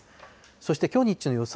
そしてきょう日中の予想